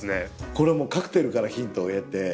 これはもうカクテルからヒントを得て。